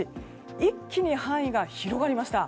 一気に範囲が広がりました。